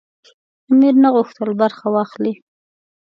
امیر نه غوښتل برخه واخلي.